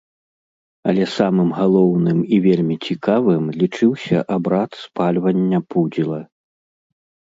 Але самым галоўным і вельмі цікавым лічыўся абрад спальвання пудзіла.